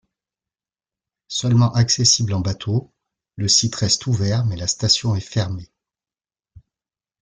Seulement accessible en bateau, Le site reste ouvert mais la station est fermée.